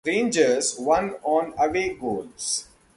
Rangers won on away goals.